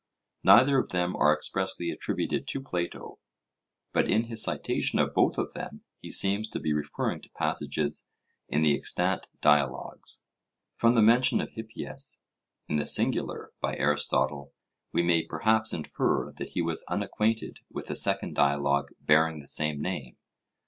Neither of them are expressly attributed to Plato, but in his citation of both of them he seems to be referring to passages in the extant dialogues. From the mention of 'Hippias' in the singular by Aristotle, we may perhaps infer that he was unacquainted with a second dialogue bearing the same name.